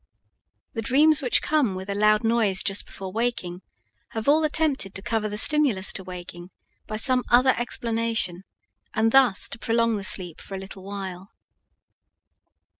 The dreams which come with a loud noise just before waking have all attempted to cover the stimulus to waking by some other explanation, and thus to prolong the sleep for a little while.